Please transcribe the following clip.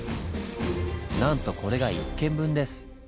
なんとこれが１軒分です。